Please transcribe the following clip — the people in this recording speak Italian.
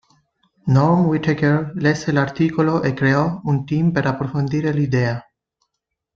Norm Whitaker lesse l'articolo e creò un team per approfondire l'idea.